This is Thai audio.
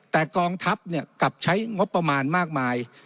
แต่กองทัพกลับใช้งบประมาณมากมาย